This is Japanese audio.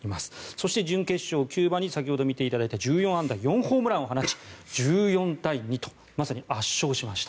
そして、準決勝キューバに先ほど見ていただいた１４安打４ホームランを放ち１４対２とまさに圧勝しました。